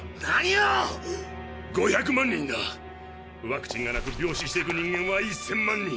ワクチンがなく病死していく人間は１，０００万人。